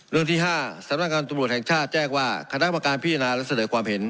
เรื่องที่๕สำนักงานตำรวจแห่งชาติแจ้งว่าคณะกรรมการพิจารณาและเสนอความเห็น